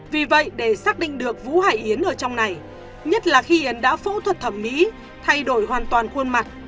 vì vậy để xác định được vũ hải yến ở trong này nhất là khi yến đã phẫu thuật thẩm mỹ thay đổi hoàn toàn khuôn mặt